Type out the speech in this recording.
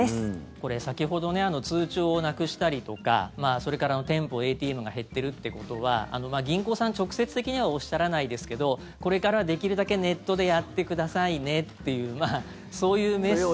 これ、先ほど通帳をなくしたりとかそれから店舗、ＡＴＭが減ってるということは銀行さん、直接的にはおっしゃらないですけどこれからできるだけネットでやってくださいねというそういうメッセージ。